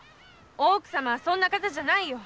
大奥様はそんな方じゃないよ。